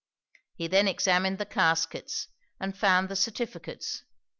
He then examined the caskets, and found the certificates.